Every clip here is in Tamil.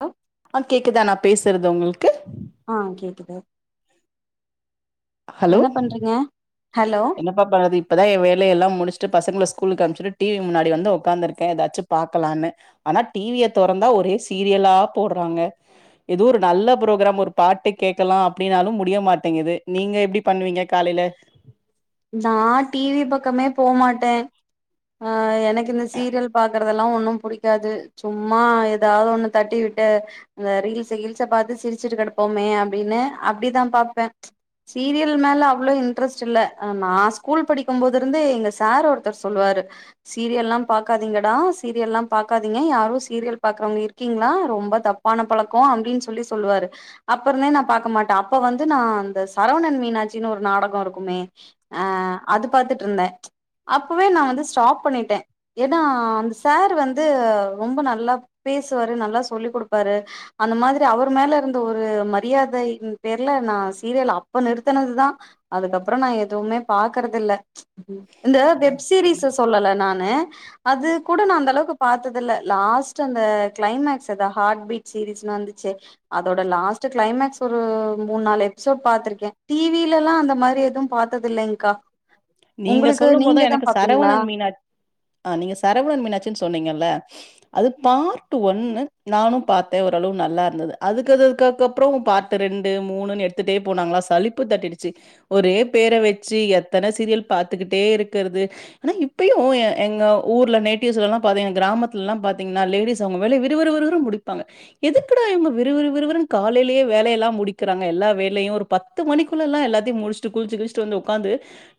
அ ஆ கேக்குதா நா பேசுறது உங்ளுக்கு அ கேக்குது என்ன பண்றீங்க ஹலோ அமா பாரதி இப்பதா ஏ வேலையெல்லா முடிச்சுட்டு பசங்க ஸ்கூலுக்கு அனுப்ச்சுட்டு டீவி முன்னாடி வந்து உட்காந்துருகே எதாச்சு பாக்கலான்னு ஆனா டீவிய தோறந்தா ஒரே சீரியலா போட்றாங்க எதோ ஒரு நல்ல ப்ரோக்ராம் ஒரு பாட்டு கேட்கலா அப்டின்னாலு முடிய மாட்டேங்குது நீங்க எப்டி பண்ணுவீங்க காலையில நா டீவி பக்கமே போ மாட்டே அ எனக்கு இந்த சீரியல் பாக்குறதெல்லா ஒன்னு புடிக்காது சும்மா ஏதாவது ஒண்ணு தட்டி விட்டு அந்த ரீல்ஸ்ஸ கீல்ஸ பாத்து சிரிச்சுட்டு கெடப்போமே அப்டின்னு அப்படிதா பாப்பே சீரியல் மேல அவ்ளோ இன்ட்ரஸ்ட் இல்ல நா ஸ்கூல் படிக்கு போது இருந்தே எங்க சார் ஒருத்தர் சொல்லுவாரு சீரியல்ல்லா பாக்காதிங்கடா சீரியல்லா பாக்காதீங்க யாரு சீரியல் பாக்குறவங்க இருக்கீங்ளா ரொம்ப தப் ப்பான பழக்கோ அப்டினு சொல்லி சொல்லுவாரு அப்பருந்தே நா பாக்க மாட்டே அப்ப வந்து நா அந்த சரவணன் மீனாட்சின்னு ஒரு நாடகோ இருக்குமே அ அது பாத்துட்ருந்தே அப்பவே நா வந்து ஸ்டாப் பண்ணிட்டே ஏன்னா அந்த சார் வந்து ரொம்ப நல்லா பேசுவாரு நல்லா சொல்லிக் குடுப்பாரு அந்த மாதிரி அவர் மேல இருந்த ஒரு மரியாதைய் பேர்ல நா சீரியல் அப்ப நிறுத்தனதுதா அதுக்கப்றோ நா எதுவுமே பாக்றது இல்ல இந்த வெப் சீரிஸ்ஸ சொல்லல நானு அது கூட நா அந்த அளவுக்கு பாத்தது இல்ல லாஸ்ட் அந்த கிளைமேக்ஸ் அத ஹார்ட் பீட் சீரீஸ்னுு வந்துச்சு அதோட லாஸ்ட் கிளைமக்ஸ் ஒரு மூனு நாலு எப்பிசோட் பாத்ருக்கே டீவிலல்லா அந்த மாதிரி எதுவு பாத்தது இல்லைங்க்கா நீங்க சொல்லு போதா எனக்கு சரவணன் மீனா ஆ நீங்க சரவணன் மீனாட்சினு சொன்னீங்கல்ல அது பார்ட்டு ஒன்னு நானு பாத்தே ஓரளவு நல்லா இருந்துது அதுக்கு அதுக்கு அப்றோ பார்ட் ரெண்டு மூணுணு எடுத்துட்டே போனாங்ளா சளிப்பு தட்டிருடுச்சு ஒரே பேர வச்சு எத்த த்தன சீரியல் பாத்துக்கிட்டே இருக்கற்து ஆனா இப்பயு எங்க ஊர்ல நேட்டிவ்ஸ்லல்லா பாத்திங்னா கிராமத்துல எல்லா பாத்திங்ன்னா லேடிஸ் அவங்க வேலைய விருவிரு முடிப்பாங்க எதுக்குடா இவுங்க விறுவிறு விறுனு காலையிலேயே வேலையெல்லா முடிக்கிறாங்க எல்லா வேலையு ஒரு பத்து பத்து மணிக்குள்ளளளா எல்லாத்தையு முடிச்ட்டு குளிச்சு கிளிச்ட்டு வந்து உட்காந்து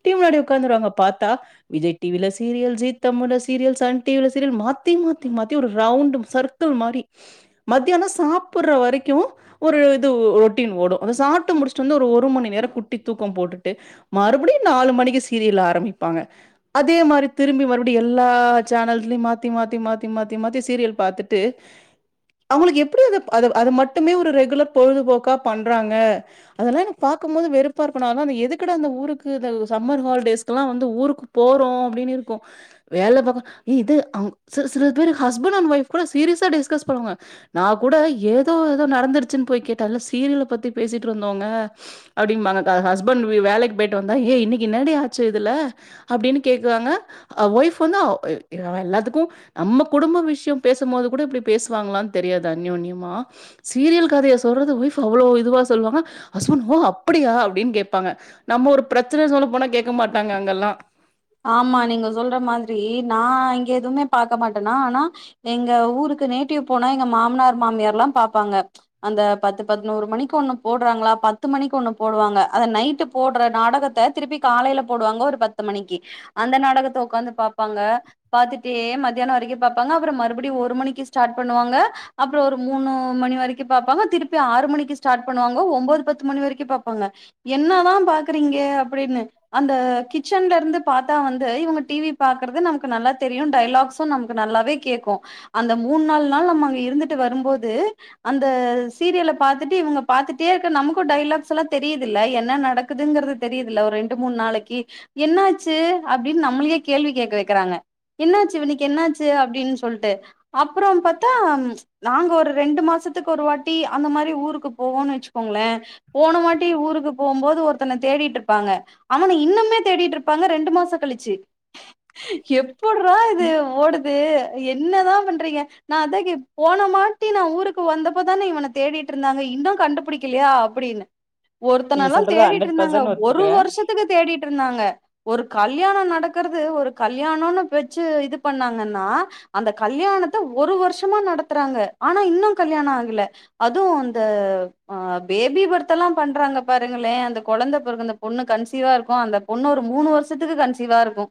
டீவி முன்னாடி உக்காந்ருவாங்க பாத்தா விஜய் டிவில சீரியல் ஜி தமுழ்ல சீரியல் சன் டிவில சீரியல் மாத்தி மாத்தி மாத்தி ஒரு ரவுண்ட் சர்க் குல் மாரி மத்தியானொ சாப்புற வரைக்கும் ஒரு இது ரொட்டீன் ஓடும் அந்த சாப்பிட்டு முடிச்சுட்டு வந்து ஒரு மணி நேரம் குட்டி தூக்கம் போட்டுட்டு மறுபடியும் நாலு மணிக்கு சீரியல் ஆரம்பிப்பாங்க அதே மாரி திரும்பி மறுபடி எல்லா சேனல்ஸ்லயும் மாத்தி மாத்தி மாத்தி மாத்தி மாத்தி சீரியல் பாத்து ட்டு அவுங்களுக்கு எப்டி அது அத அது மட்டுமே ஒரு ரெகுலர் பொழுதுபோக்கா பண்றாங்க அதெல்லாம் எனக்கு பாக்கும்போது வெறுப்பா இருக்கும் நான் எல்லா எதுக்குட இந்த ஊருக் கு இந்த சம்மர் ஹாலிடேஸ் எல்லாம் வந்து ஊருக்கு போறோம் அப்டின்னு இருக்கும் வேல பாக்க எ இது அம் சி சில பேரு ஹஸ்பண்ட் அண்ட் ஒய்ஃப் கூட சீரியஸா டிஸ்கஸ் பண்ணுவா நா கூட ஏதோ ஏதோ நடந்துருச்சுன்னு போய் கேட்டேன் இல்ல சீரியல பத்தி பேசிட்டு இருந்தோங்க அப்டிம்பாங்ககா ஹஸ்பண்ட் வேலைக்கு போயிட்டு வந்தா ஏய் இன்னைக்கு என்னடி ஆச்சு இதுல அப்டின்னு கேக்குவாங்க அ ஒய்ஃப் வந்து [unintelligible] அவ எல்லாத்துக்கும் நம்ம குடும்ப விஷயம் பேசும்போது கூட இப்படி பேசுவாங்களான்னு தெரியாது அன்யோன்யமா சீரியல் கதைய சொல்றது ஒய்ஃப் அவ்வளோ இதுவா சொல்லுவாங்க ஹஸ்பண்ட் ஓ அப்டியா அப்பிடின்னு கேப்பாங்க நம்ம ஒரு பிரச்சன சொல்ல போனா கேட்க மாட்டாங்க அங்கல்லாம் ஆமா நீங்க சொல்ற மாதிரி நா இங்க எதுவுமே பார்க்க மாட்டேனா ஆனா எங்க ஊருக்கு நேட்டிவ் போனா எங்க மாமனார் மாமியார்ல்லா பாப்பாங்க அந்த பத்து பதினோரு மணிக்கு ஒன்னு போடுறாங்களா பத்து மணிக்கு ஒன்னு போடுவாங்க அத நைட்டு போடுற நாடகத்த திருப்பி காலைல போடுவாங்க ஒரு பத்து மணிக்கி அந்த நாடகத்த உக்காந்து பாப்பாங்க பாத்துட்டே மத்தியானோ வரைக்கும் பாப்பாங்க அப்புறோ மறுபடியு ஒரு மணிக்கு ஸ்டார்ட் பண்ணுவாங்க அப்புறோ ஒரு மூணு மணி வரைக்கி பாப்பாங்க திருப்பி ஆறு மணிக்கு ஸ்டார்ட் பண்ணுவாங்க ஒம்போது பத்து மணி வரைக்கும் பாப்பாங்க என்னதான் பாக்குறீங்க அப்டின்னு அந்த கிச்சன்ல இருந்துப் பார்த்தா வந்து இவ்ங்க டிவி பாக்குறது நமக்கு நல்லா தெரியும் டைலாக்ஸும் நமக்கு நல்லாவே கேக்கும் அந்த மூணு நால் நாள் நம்ம அங்க இருந்துட்டு வரும்போது அந்த சீரியல பாத்துட்டு இவ்ங்க பாத்துட்டே இருக்கிற நமக்கூ டைலாக்ஸ் எல்லாம் தெரியுதில்ல என்ன நடக் குதுங்கிறது தெரியுதுல ஒரு ரெண்டு மூணு நாளைக்கி என்னா ச்சு அப்டின்னு நம்மளயே கேள்வி கேட்க வைக்கிறாங்க என்னாச்சு இவனுக்கு என்னாச்சு அப்டின் சொல்ட்டு அப்புறோ பாத்தா நாங்க ஒரு ரெண்டு மாசத்துக்கு ஒரு வாட்டி அந்த மாரி ஊருக்கு போவோம்ன்னு வச்சுக்கோங்களேன் போனவாட்டி ஊருக்கு போம் போது ஒருத்தன தேடிட்டு இருப்பாங்க அவனை இன்னுமே தேடிட்டு இருப் பாங்க ரெண்டு மாசம் கழிச்சு எப்புட்றா இது ஓடு து என்னதா பண்றீங்க நா அத கேட் போன மாட்டி நா ஊருக்கு வந்தப்போதான இவன தேடிட்டு இருந்தாங்க இன்னூ கண்டுபிடிக்கலையா அப்டின்னு ஒருத்தன நீங்க எல்லா சொல்றத தேடிட்டு இருந்தாங்க ஒரு ஒத்துக்கிறே. வருஷத்துக்கு தேடிட்டு இருந்தாங்க ஒரு கல்யாணோ நடக்கிறது ஒரு கல்யாணம்னு பேச்சு இது பண்ணாங்கன்னா அந்தக் கல்யாணத்த ஒரு வருஷமா நடத்துறாங்க ஆனா இன்னூ கல்யாணம் ஆகல அதுவும் அந்த ஆ பேபி பர்த் எல்லாம் பண்றாங்க பாருங்களேன் அந்த கொழந்த பிறகுந் பொண்ணு கன்சீவா இருக்கூ அந்த பொண்ணு ஒரு மூணு வருஷத்துக்கு கன்சீவா இருக்கு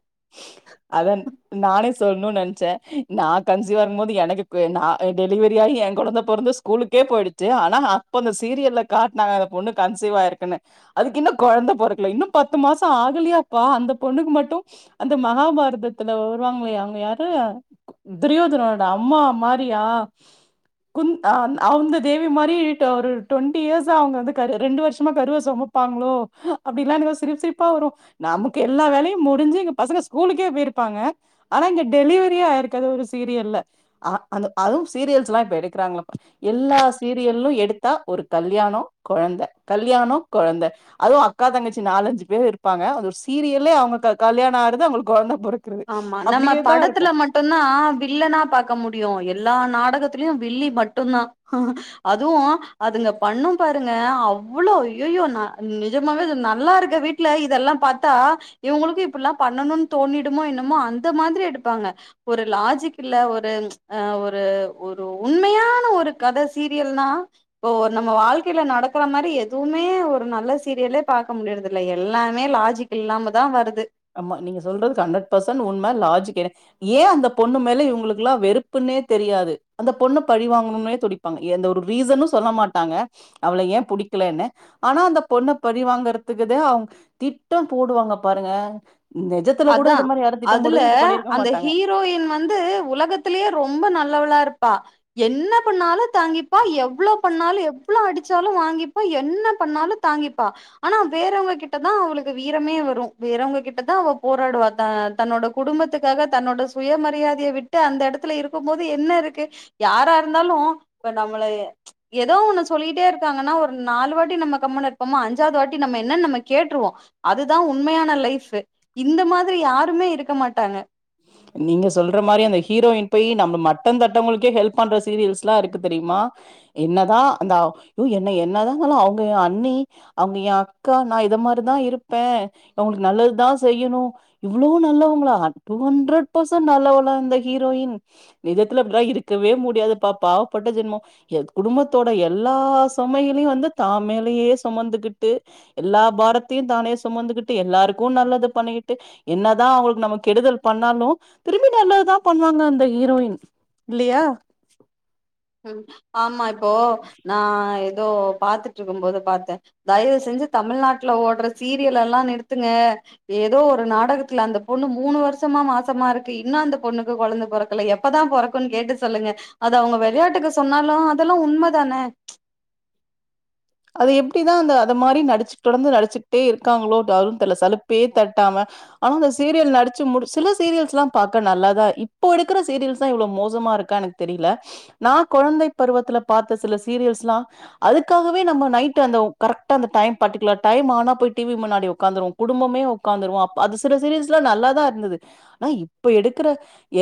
அதன் நானே சொல்ணுன்னு நெனைச்சேன் நான் கன்சிவா இருக்கும்போது எனக்கு பெ நா டெலிவரி ஆகி என் கொழந்த பொறந்து ஸ் கூலுக்கே போயிடுச்சு ஆனா அப்ப அந்த சீரியல்ல காட்டுனாங்க அந்த பொண்ணு கன்சீவா இருக்குன்னு அதுக்கு இன்னூ கொழந்த பொறக்கல இன்னும் பத்து மாசம் ஆகலையாப்பா அந்த பொண்ணுக்கு மட்டும் அந்த ம மகாபாரதத்துல வருவாங்களே அவ்ங்க யாரு துரியோதனோட அம்மா மாரியா குந்த் அ அந் அந்த தேவி மாரி டொ ஒரு டுவெண்ட்டி இயர்ஸ்ஸா அவ்ங்க வந்து கரு ரெண்டு வருஷமா கருவ சொமப் ப்பாங்களோ அப்பிடில்லா எனக்கு சிரிப்பு சிரிப்பா வரு நமக்கு எல்லா வேலயு முடுஞ்சு இங்க பசங்க ஸ்கூலுக்கே போயிருப்பாங்க ஆனா இங்க டெலிவரியே ஆயிருக்காது ஒரு சீரியல்ல அ அந்த அதுவு சீரியல்ஸ்ல்லா இப்ப எடுக்குறாங்கல்லபா எல்லா சீரியல்லு எடுத்தா ஒரு கல்யாணோ கொழந்த கல்யாணோ கொழந்த அதுவு அக்கா தங்கச்சி நாலஞ்சு பேரு இருப்பாங்க அது ஒரு சீரியலே அவ்ங்க க கல்யாணோ ஆறது அவ்ங்களுக்கு கொழந்த பொறக் ஆமா நம்ம படத்துல மட் டு்ந்தா வில்லனா பாக்க முடியு எல்லா நாடகத்துலயு வில்லி மட்டுந்தா அதுவு அதுங்க பண்ணு பாருங்க அவ்வளோ ஐயய்யோ நா நிஜமாவே அது நல்லா இருக்க வீட் ல இதல்லா பாத்தா இவ்ங்களுக்கு இப்பிடில்லா பண்ணணுன் தோணிடுமோ என்னமோ அந்த மாதிரி எடுப்பாங்க ஒரு லாஜிக் இல்ல ஒரு அ ஒரு ஒரு உண்மயான ஒரு கத சீரியல்னா இப்ப ஒரு நம்ம வாழ்க்கேல நடக்கற மாரி எதுவுமே ஒரு நல்ல சீரியலே பாக்க முடியுறது இல்ல எல்லாமே லாஜிக் இல்லாமதா வருது ஆமா நீங்க சொல்றது ஹண்ட்ரட் பர்சன்ட் உண்ம லாஜிக் எனே ஏ அந்த பொண்ணு மேல இவ்ங்குளுக்கலா வெறுப்புன்னே தெரியாது அந்த பொண்ண பழிவாங்கணும்னே துடிப் பாங்க எந்த ஒரு ரீசனு சொல்ல மாட்டாங்க அவள ஏ புடிக்கலேனு ஆனா அந்த பொண்ண பழிவாங்கறதுக்குதே அவ்ங் திட்டோ போடுவாங்க பாருங்க நெஜத்துல கூட அதா இது மாரி யாரு திட்டம்போடு அதுல இது பண்ணிருக்க அந்த மாட்டாங்க ஹீரோயின் வந்து உலகத்துலயே ரொம்ப நல்லவளா இருப்பா என்ன பண்ணாலு தாங்கிப்பா எவ்ளோ பண்ணாலு எவ்ளோ அடுச்சாலு வாங்கிப்பா என்ன பண்ணாலு தாங்கிப்பா ஆனா வேறவுங்க கிட்ட தா அவளுக்கு வீரமே வரு வேறவுங்க கிட்டத்தா அவ போராடுவா தா தன்னோட குடும்பத்துக்காக தன்னோட சுய மரியாதைய விட்டு அந்த எடத்துல இருக்கும் போது என்ன இருக்கு யாரா இருந்தாலு இப்ப நம்மளய எதோ ஒன்னு சொல்லிட்டே இருக்காங்கனா ஒரு நாலு வாட்டி நம்ம கம்முன்னு இருப்பமா அஞ்சாவது வாட்டி நம்ம என்னன் நம்ம கேட்ருவோ அதுதா உண்மையான லைஃப்பு இந்த மாரி யாருமே இருக்க மாட்டாங்க நீங்க சொல்ற மாரி அந்த ஹீரோயின் போய் நம்ம மட்டந்தட்டவுங்களுகே ஹெல்ப் பண்ற சீரியல்ஸ்லா இருக்கு தெரிமா என்னதா அந்தாவ் யோ என்ன என்னதா இருந்தாலு அவுங்க ஏ அண்ணி அவ்ங்க ஏ அக்கா நா இத மாரி தா இருப்பே அவ்ங்களுக்கு நல்லதுதா செய்யணு இவ்ளோ நல்லவுங்களா டூ ஹண்ரட் பர்சன்ட் நல்லவளா இந்த ஹீரோயின் நிஜத்துல அப்டிலா இருக்கவே முடியாது பா பாவப்பட்ட ஜென்மோ ஏ குடும்பத்தோட எல்லா சுமையிலயு வந்து தா மேலயே சுமந்துகிட்டு எல்லா பாரத்தையு தானே சுமந்துகிட்டு எல்லாருக்கு நல்லது பண்ணிக்கிட்டு என்னதா அவ்ங்களுக்கு நம்ம கெடுதல் பண்ணாலு திரும்பி நல்லதுதா பண்ணுவாங்க அந்த ஹீரோயின் இல்லியா ம் ஆமா இப்போ நா எதோ பாத்துட்ருக்கும் போது பாத்தே தயவு செஞ்சு தமிழ்நாட்ல ஓட்ற சீரியல் எல்லா நிறுத்துங்க ஏதோ ஒரு நாடகத்துல அந்த பொண்ணு மூணு வருஷமா மாசமா இருக்கு இன்னு அந்த பொண்ணுக்கு கொழந்த பொறக் கல எப்பதா பொறக்குன் கேட்டு சொல்லுங்க அது அவுங்க வெளையாட்டுக்கு சொன்னாலு அதல்லா உண்மதான அது எப்டிதா அந்த அத மாரி நடுச்சு தொடந்து நடுச்சுகிட்டே இருக்காங்களோ டாரு தெரில சலுப்பே தட்டாம ஆனா அந்த சீரியல் நடுச்சு முடுச்சு சில சீரியல்ஸ்லா பாக்க நல்லாதா இப்போ எடுக்குற சீரியல்ஸ் தா இவ்ளோ மோசமா இருக்கா எனக் தெரில நா கொழந்தை பருவத்துல பாத்த சில சீரியல்ஸ்லா அதுக்காக வே நம்ம நைட் அந்த கரெக்ட்டா அந்த டைம் பர்டிகுலர் டைம் ஆனா போய் டி வி முன்னாடி உக்காந்துருவோ குடும்பமே உக்காந்துருவோ அப்ப அது சில சிரியல்ஸ்லா நல்லாதா இருந்தது னா இப்ப எடுக்குற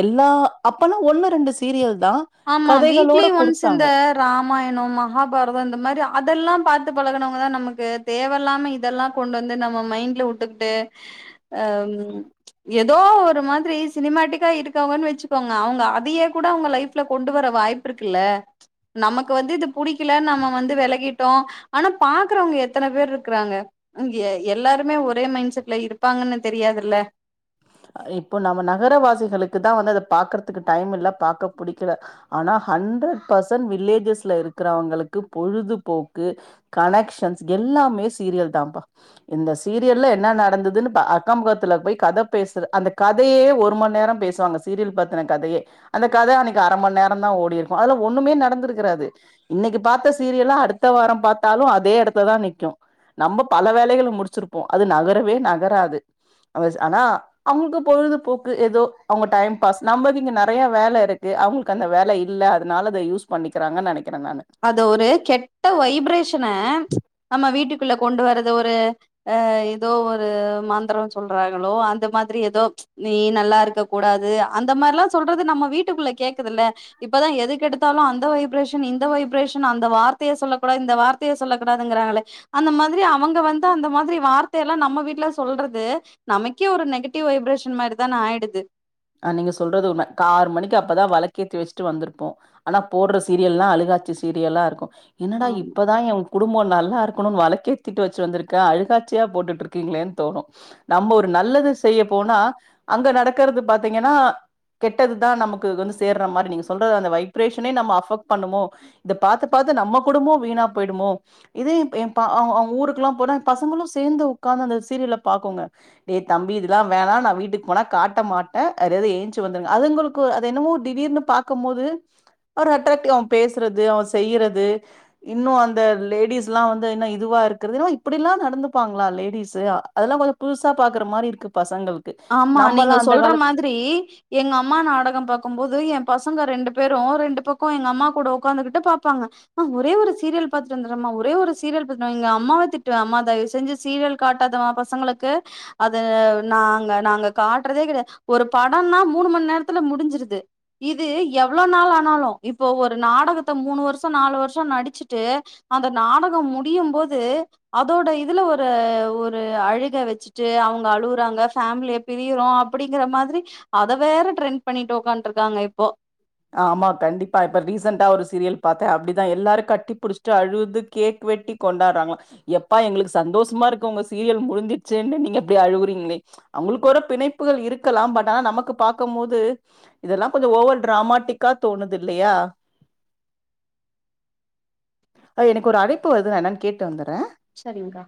எல்லா அப்பலா ஒன்னு ரெண்டு சீரியல் தா ஆமா வீக்லி கதைகளோட ஒன்ஸ் குடுத்தாங்க இந்த ராமாயனொ மகாபாரதொ இந்த மாறி அதெல்லா பாத்து பழகுனவங்க தா நமக்கு தேவலாம இதெல்லா கொண்டு வந்து நம்ம மைண்ட்ல உட்டுக்கிட்டு அ ம் எதோ ஒரு மாதிரி சினிமேட்டிக்கா இருக்கவ்ங்கன்னு வச்சுக்கோங்க அவுங்க அதயே கூட அவுங்க லைஃப் ல்ல கொண்டு வர வாய்ப்பு இருக்குல்ல நமக்கு வந்து இது புடிக்கில நம்ம வந்து வெலகிட்டோ ஆனா பாக்குறவுங்க எத்தன பேர் இருக்குறாங்க அங்கே எல்லாருமே ஒரே மைண்ட் செட்ல இருப்பாங்கன்னு தெரியாதுல்ல இப்போ நம்ம நகரவாசிகளுக்கு தா வந்து அத பாக்குறதுக்கு டைம் இல்ல பாக்க புடிக்கல ஆனா ஹண்ரட் பர்சன்ட் வில்லேஜஸ்ல இருக்கிறவங்களுக்கு பொழுதுபோக்கு கனெக்க்ஷன்ஸ் எல்லாமே சீரியல் தாப்பா இந்த சீரியல்ல என்ன நடந்துதுன்னு பா அக்கம்மக்கத்துல போய் கத பேசுற அந்த கதையே ஒரும நேர பேசுவாங்க சீரியல் பத்துன கதையே அந்த கத அன்னிக்கு அரம நேர தா ஓடிர்க்கு அதுல ஒண்ணுமே நடந்திருக்குறாது இன்னக்கி பாத்த சீரியல்ல அடுத்த வார பாத்தாலு அதே இடத்துல தா நிக்கு நம்ப பல வேலைகள முடிச்சிருப்போ அது நகரவே நகராது அவஸ் ஆனா அவுங்களுக்கு பொழுதுபோக்கு எதோ அவங்க டைம் பாஸ் நமக்கிங்க நெறைய வேல இருக்கு அவுங்கள்க் கு அந்த வேல இல்ல அதனால அத யூஸ் பண்ணிக்கிறாங்கன்னு நெனைக்கிற நானு அது ஒரு கெட்ட வைப்ரேஷன நம்ம வீட்டுக்குள்ள கொண்டு வர்றது ஒரு அ எதோ ஒரு மந்தரோ சொல்றாங்களோ அந்த மாதிரி எதோ நீ நல்லா இருக்க கூடாது அந்த மாறிலா சொல்றது நம்ம வீட்டுக்குள்ள கேக்குதுல்ல இப்பதா எது கெடுத்தாலு அந்த வைப்ரேஷன் இந்த வைப் ரேஷன் அந்த வார்த்தைய சொல்ல கூடாது இந்த வார்த்தைய சொல்ல கூடாதுங்குறாங்களே அந்த மாதிரி அவங்க வந்து அந்த மாதிரி வார்த்தை எல்லா நம்ம வீட்டு்ல சொல்றது நமக்கே ஒரு நெகட்டிவ் வைப்ரேஷன் மாரிதான ஆயிடுது அ நீ சொல்றது உண்ம ஆறு மணக்கு அப்பதா வளக்கேத்தி வச்சிட்டு வந்திருப்போம் ஆனா போடுற சீரியல்லா அழுகாட்சி சீரியல்லா இருக்கும் என்னடா ஆமா இப்பதான் எய குடும்பம் நல்லா இருக்கணும்னு வளக்கேத்திட்டு வச்சு வந்திருக்க அழுகாச்சியா போட்டுட்டு இருக்கீங்களேன்னு தோணு நம்ம ஒரு நல்லது செய்ய போனா அங்க நடக்கறது பாத்தீங்கன்னா கெட்டதுதா நமக்கு வந்து சேர்ற மாதிரி நீ சொல்றது அந்த வைப்ரேஷனே நம்ம அஃபெக்ட் பண்ணுமோ இத பாத்து பாத்து நம்ம குடும்பம் வீணா போயிடுமோ இதே எய எப்ப அவங்க ஊருக்குெல்லா போனா பசங்களு சேர்ந்து உட்கார்ந்து அந்த சீரியல பாக்குங்க டேய் தம்பி இதெல்லா வேணா நான் வீட்டுக்கு போனா காட்ட மாட்ட ஹ் அதாவது ஏழுஞிச்சு வந்துருங்க அதுங்களுக்கு ஒரு அது என்னமோ திடீர்னு பாக்கும் போது ஒரு அட்ராக்டிவ் அவ பேசுறது அவ செய்யறது இன்னு அந்த லேடிஸ் எல்லா வந்து இன்னும் இதுவா இருக்கிறது ஏன்னா இப்டிலா நடந்துப்பாங்களா லேடிஸ் அதெல்லா கொஞ்ச புதுசா பாக்குற மாதிரி இருக்கு பசங்களுக்கு நம்மல்லா அந்த காலத்து இத்ரி எங்க அம்மா நாடகம் பாக்கும்போது எய பசங்க ரெண்டு பேரு ரெண்டு பக்கம் எங்க அம்மா கூட உட்காந்துகிட்டு பாப்பாங்க மா ஒரே ஒரு சீரியல் பாத்துட்டு வந்துரன்மா ஒரே ஒரு சீரியல் பாத்து எங்க அம்மாவ தட்டு அம்மா தயவு செஞ்சு சீரியல் காட்டாத மா பசங்களுக்கு அத நா அத நாங்க காட்டுறதே கிடையாது ஒரு படம்னா மூணு ம நேரத்துல முடிஞ்சிருது இது எவ்வளவு நாள் ஆனாலு இப்போ ஒரு நாடகத்த மூணு வருஷ நாலு வருஷ நடிச்சுட்டு அந்த நாடகம் முடியும்போது அதோட இதுல ஒரு ஒரு அழுக வச்சுட்டு அவங்க அழுவறாங்க ஃபேமிலிய பிரியரோ அப்டிங்கிற மாதிரி அத வேற ட்ரெண்ட் பண்ணிட்டு ஒக்காண்ட்டு இருக்காங்க இப்போ ஆமா கண்டிப்பா இப்ப ரீசெண்ட்டா ஒரு சீரியல் பாத்தே அப்டிதா எல்லாரு கட்டி புடிச்ட்டு அழுவுதுக் கேக் வெட்டி கொண்டார்றாங்ளா யப்பா எங்குளுக்கு சந்தோஷமா இருக்கு உங்க சீரியல் முடிஞ்சிச்சேன்னு நீங்க இப்டி அழுவுறீங்ளே அவுங்குளுக்கு ஒரேப் பிணைப்புகள் இருக்கலாம் பட் ஆனா நமக்கு பாக்கம்மோது இதெல்லாம் கொஞ்சோ ஓவர் டிராமாட்டிக்கா தோணுது இல்லையா அ எனக்கு ஒரு அழைப்பு வருது நா என்னான் கேட்டு வந்தர்றே சரிங்க்கா